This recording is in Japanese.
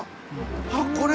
あっこれ。